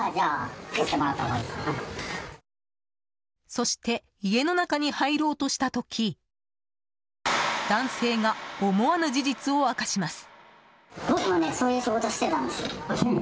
そして家の中に入ろうとした時男性が思わぬ事実を明かします。